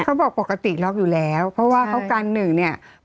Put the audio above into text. ปกติล็อกอยู่แล้วเพราะว่าเขากันหนึ่งเนี่ย